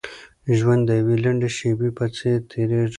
ژوند د يوې لنډې شېبې په څېر تېرېږي.